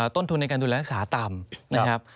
ต้นทุนในการดูแลรักษาต่ำนะครับ